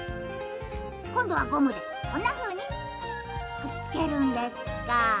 こんどはゴムでこんなふうにくっつけるんですか。